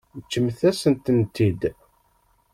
Ǧǧemt-asent-ten-id.